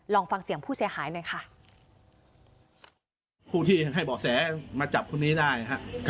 ลองฟังเสียงผู้เสียหายหน่อยค่ะผู้ที่ให้เบาะแสมาจับคนนี้ได้ฮะ